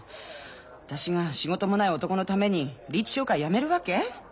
私が仕事もない男のためにリーチ商会辞めるわけ？